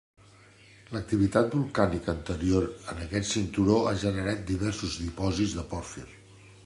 L'activitat volcànica anterior en aquest cinturó ha generat diversos dipòsits de pòrfir.